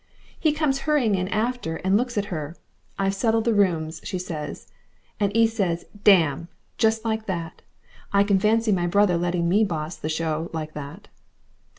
He comes hurrying in after and looks at her. 'I've settled the rooms,' she says, and 'e says 'damn!' just like that. I can fancy my brother letting me boss the show like that."